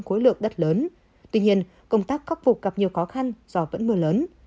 khối lượng đất lớn tuy nhiên công tác khắc phục gặp nhiều khó khăn do vẫn mưa lớn